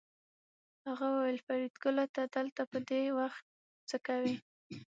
هغه وویل فریدګله ته دلته په دې وخت څه کوې